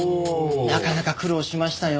なかなか苦労しましたよ。